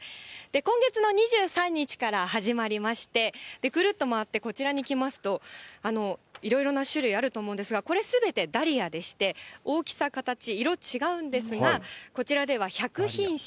今月の２３日から始まりまして、ぐるっと回ってこちらに来ますと、いろいろな種類あると思うんですが、これすべてダリアでして、大きさ、形、色違うんですが、こちらでは１００品種